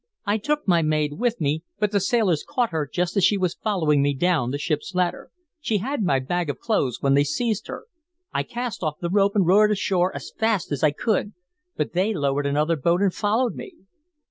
I took my maid with me, but the sailors caught her just as she was following me down the ship's ladder. She had my bag of clothes when they seized her. I cast off the rope and rowed ashore as fast as I could, but they lowered another boat and followed me."